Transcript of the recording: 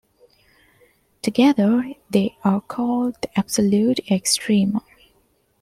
Together they are called the absolute extrema.